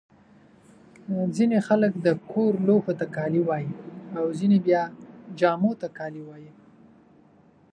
ځيني خلک د کور لوښو ته کالي وايي. او ځيني بیا جامو ته کالي.